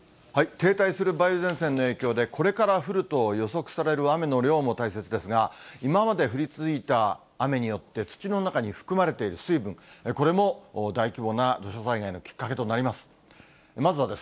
停滞する梅雨前線の影響で、これから降ると予測される雨の量も大切ですが、今まで降り続いた雨によって、土の中に含まれている水分、これも大規模な土砂災害のきっかけとなります。